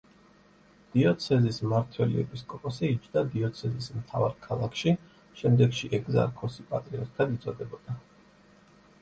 დიოცეზის მმართველი ეპისკოპოსი, იჯდა დიოცეზის მთავარ ქალაქში, შემდეგში ეგზარქოსი პატრიარქად იწოდებოდა.